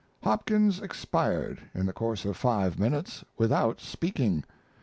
Hopkins expired, in the course of five minutes, without speaking.